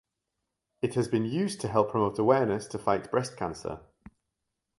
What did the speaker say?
It has been used to help promote awareness to fight Breast Cancer.